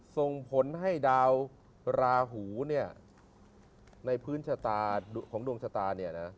ทรงผลให้ดาวราหูในพื้นชะตาของดวงชะตา